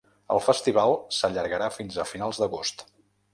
El festival s’allargarà fins a final d’agost.